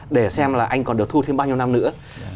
để xem là anh còn được thu thêm bao nhiêu năm nữa